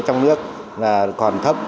trong nước là còn thấp